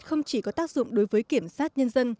không chỉ có tác dụng đối với kiểm sát nhân dân